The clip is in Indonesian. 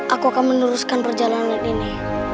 aku akan meneruskan perjalanan ini